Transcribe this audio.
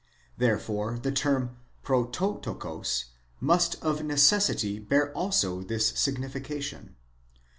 Therefore the term πρωτότοκος must of necessity bear also this signification.